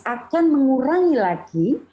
akan mengurangi lagi